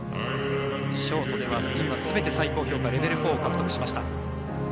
ショートではスピンは全て最高評価レベル４を獲得しました。